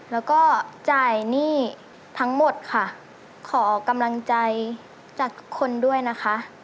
แล้วก็จ่ายหนี้ทั้งหมดค่ะขอกำลังใจจากทุกคนด้วยนะคะ